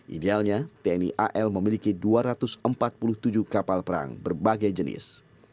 idealnya tni al memiliki dua ratus empat puluh tujuh kapal perang berbagai jenis